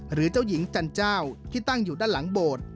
หรือเจ้าหญิงจันเจ้าที่ตั้งอยู่ด้านหลังโบสถ์